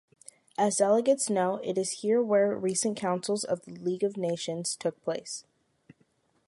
As delegates know, it is here where recent Councils of the League of Nations took place.